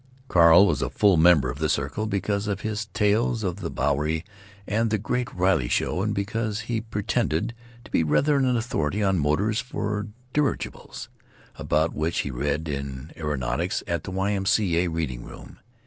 Carl was full member of the circle because of his tales of the Bowery and the Great Riley Show, and because he pretended to be rather an authority on motors for dirigibles, about which he read in Aeronautics at the Y. M. C. A. reading room.